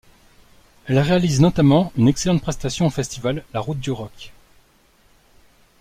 Elles réalisent notamment une excellente prestation au festival La Route du rock.